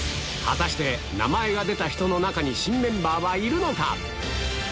果たして名前が出た人の中に新メンバーはいるのか⁉